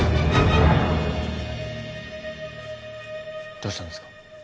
どうしたんですか？